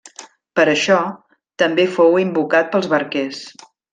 Per això, també fou invocat pels barquers.